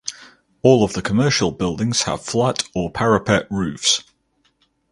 All of the commercial buildings have flat or parapet roofs.